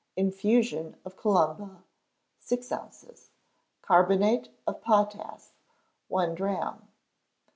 Infusion of calumba, six ounces; carbonate of potass, one drachm.